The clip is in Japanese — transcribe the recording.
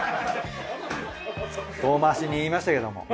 遠まわしに言いましたけれども。